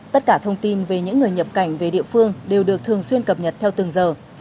tất cả thông tin về những người nhập cảnh về địa phương đều được thường xuyên cập nhật theo từng giờ